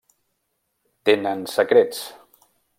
Tenen secrets.